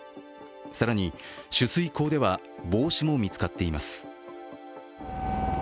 更に取水口では帽子も見つかっています。